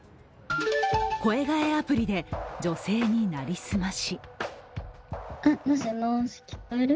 声変えアプリで女性になりすまし